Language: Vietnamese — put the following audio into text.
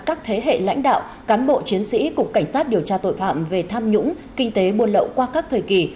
các thế hệ lãnh đạo cán bộ chiến sĩ cục cảnh sát điều tra tội phạm về tham nhũng kinh tế buôn lậu qua các thời kỳ